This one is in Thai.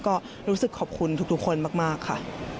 ก็รู้สึกขอบคุณทุกคนมากค่ะ